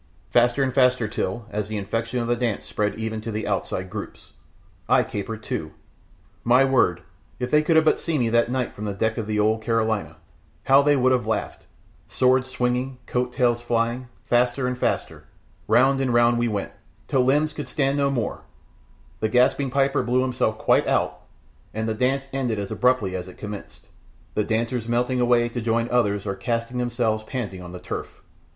Faster and faster till, as the infection of the dance spread even to the outside groups, I capered too. My word! if they could have seen me that night from the deck of the old Carolina, how they would have laughed sword swinging, coat tails flying faster and faster, round and round we went, till limbs could stand no more; the gasping piper blew himself quite out, and the dance ended as abruptly as it commenced, the dancers melting away to join others or casting themselves panting on the turf.